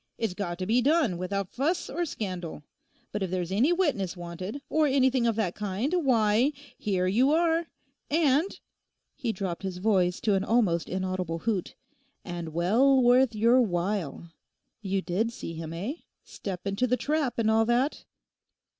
It's got to be done without fuss or scandal. But if there's any witness wanted, or anything of that kind, why, here you are; and,' he dropped his voice to an almost inaudible hoot, 'and well worth your while! You did see him, eh? Step into the trap, and all that?